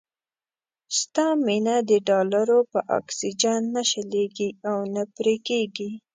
ستا مينه د ډالرو په اکسيجن نه شلېږي او نه پرې کېږي.